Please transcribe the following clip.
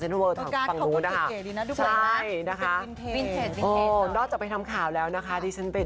โอ้โหฝันไปหรือเปล่าเธอหยิกให้ตื่น